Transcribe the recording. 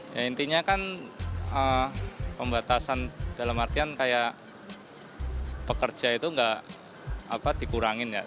ya intinya kan pembatasan dalam artian kayak pekerja itu nggak dikurangin ya